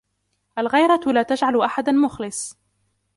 الغيرة لا تجعل أحد مخلص